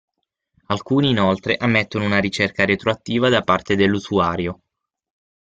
Alcuni inoltre ammettono una ricerca retroattiva da parte dell’usuario.